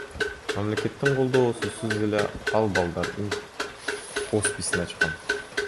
Мамлекеттин колдоосусуз эле ал балдардын хосписин ачкан.